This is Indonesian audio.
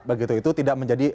begitu itu tidak menjadi